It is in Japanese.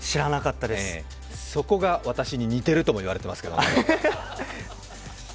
そこが私に似てるとも言われていますけどね。